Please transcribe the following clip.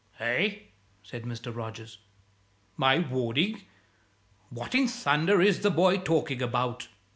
"Eh?" said Mr. Rogers. "My warning? What in thunder is the boy talking about?"